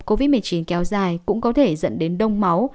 covid một mươi chín kéo dài cũng có thể dẫn đến đông máu